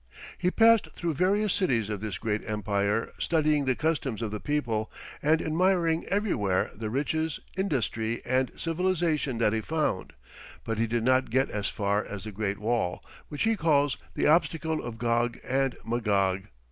He passed through various cities of this great empire, studying the customs of the people and admiring everywhere the riches, industry, and civilization that he found, but he did not get as far as the Great Wall, which he calls "The obstacle of Gog and Magog."